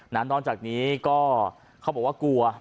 นอกจากนี้ก็เขาบอกว่ากลัว